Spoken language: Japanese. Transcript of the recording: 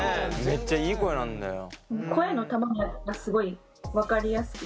めっちゃいい声なんだよ。